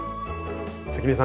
関根さん